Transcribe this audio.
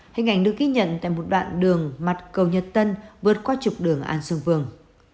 hình ảnh được ghi nhận tại một đoạn đường mặt cầu nhật tân vượt qua trục đường an xuân vương